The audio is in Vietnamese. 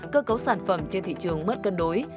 cơ cấu sản phẩm trên thị trường mất cân đối